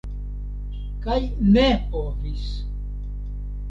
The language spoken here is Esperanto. Kaj ne povis.